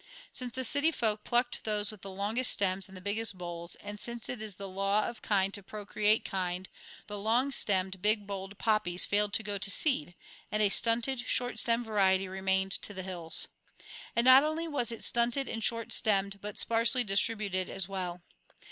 Since the city folk plucked those with the longest stems and biggest bowls, and since it is the law of kind to procreate kind, the long stemmed, big bowled poppies failed to go to seed, and a stunted, short stemmed variety remained to the hills. And not only was it stunted and short stemmed, but sparsely distributed as well.